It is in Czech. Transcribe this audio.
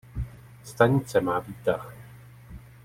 Stanice má výtah.